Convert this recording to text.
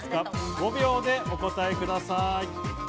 ５秒でお答えください。